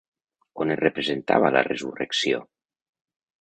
On es representava la resurrecció?